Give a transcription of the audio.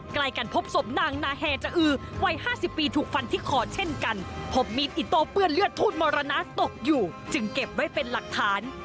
ใกล้กันพบศพนางนาแฮจะอือวัย๕๐ปีถูกฟันที่คอเช่นกันพบมีดอิโตเปื้อนเลือดทูตมรณะตกอยู่จึงเก็บไว้เป็นหลักฐาน